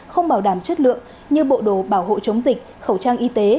không bảo đảm chất lượng như bộ đồ bảo hộ chống dịch khẩu trang y tế